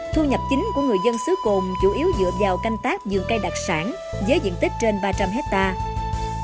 thu nhập chính của người dân xứ cồn chủ yếu dựa vào canh tác dường cây đặc sản với diện tích trên ba trăm linh hectare